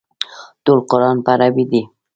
ټول قران په عربي دی.